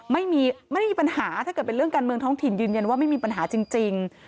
ไม่ได้มีปัญหาถ้าเกิดเป็นเรื่องการเมืองท้องถิ่นยืนยันว่าไม่มีปัญหาจริง